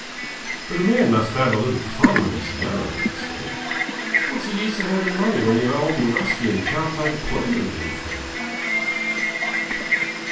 'But a man must have a little fun when he is young,' I said. 'What's the use of having money when you're old and rusty, and can't take pleasure in anything?'